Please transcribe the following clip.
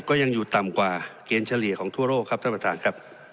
ก็ยังอยู่ต่ำกว่าเกณฑ์เฉลี่ยของทั่วโลกครับท่านประธานครับ